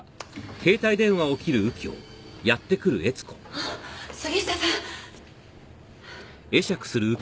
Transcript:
あっ杉下さん。